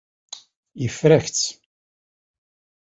Yeffer-ak-tt.